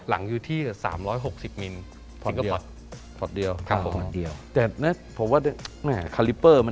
หลังอยู่ที่๓๖๐นิตเมตร